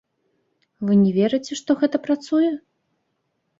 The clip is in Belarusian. Вы не верыце, што гэта працуе?